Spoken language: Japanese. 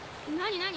何？